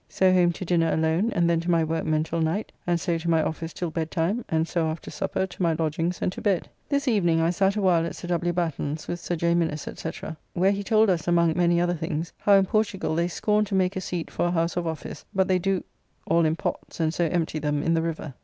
So home to dinner alone and then to my workmen till night, and so to my office till bedtime, and so after supper to my lodgings and to bed. This evening I sat awhile at Sir W. Batten's with Sir J. Minnes, &c., where he told us among many other things how in Portugal they scorn to make a seat for a house of office, but they do .... all in pots and so empty them in the river.